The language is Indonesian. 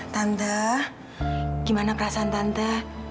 tante gimana perasaan tante